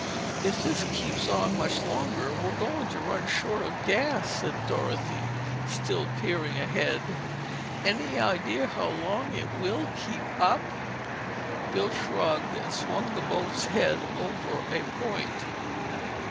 "If this keeps on much longer, we're going to run short of gas," said Dorothy, still peering ahead. "Any idea how long it will keep up?" Bill shrugged and swung the boat's head over a point.